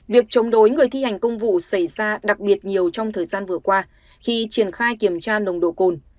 việc chống đối người thi hành công vụ xảy ra đặc biệt nhiều trong thời gian vừa qua khi triển khai kiểm tra nồng độ cồn